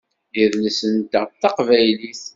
Idles-nteɣ d taqbaylit.